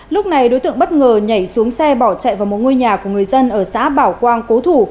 lúc này đối tượng bất ngờ nhảy xuống xe bỏ chạy vào một ngôi nhà của người dân ở xã bảo quang cố thủ